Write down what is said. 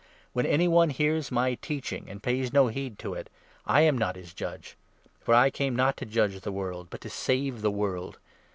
When any one hears my teach 47 ing^ and pays no heed to it, I am not his judge ; for I came not to judge the world, but to save the world.